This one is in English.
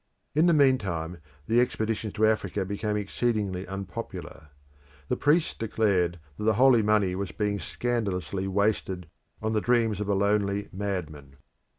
In the meantime the expeditions to Africa became exceedingly unpopular. The priests declared that the holy money was being scandalously wasted on the dreams of a lonely madman.